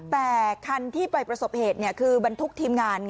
แต่คันที่ไปประสบเหตุคือบรรทุกทีมงาน